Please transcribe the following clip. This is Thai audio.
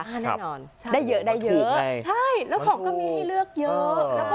ใช่ได้เยอะแล้วของก็มีเลือกเยอะ